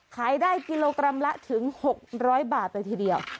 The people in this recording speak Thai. ขายได้กิโลกรัมละถึง๖๐๐บาทเลยทีเดียว